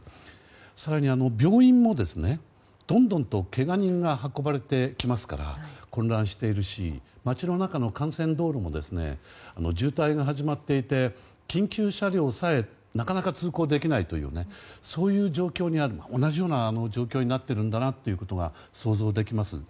更に、病院もどんどんとけが人が運ばれてきますから混乱しているし街の中の幹線道路も渋滞が始まっていて緊急車両さえなかなか通行できないという同じような状況になっているんだなというのが想像できます。